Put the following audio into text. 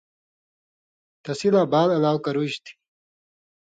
تسی لا بال الاؤ کرُژیۡ تھی۔